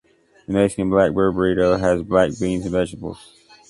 The Mexican blackbird burrito has black beans and vegetables.